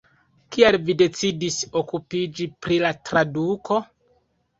Kial vi decidis okupiĝi pri la traduko?